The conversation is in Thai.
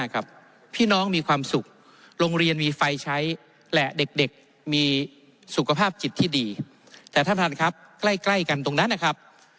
พี่น้องมีความสุขโรงเรียนมีไฟใช้และเด็กมีสุขภาพจิตที่ดีแต่ท่านท่านครับใกล้กันตรงนั้นนะครับ